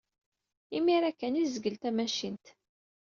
Imir-a kan ay tezgel tamacint.